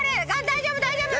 大丈夫大丈夫！